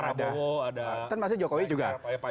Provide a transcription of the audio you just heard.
ada pak prabowo ada pak jokowi juga